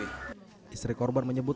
pas kejadian itu